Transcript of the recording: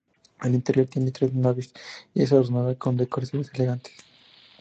El interior tiene tres naves y es adornada con decoraciones elegantes.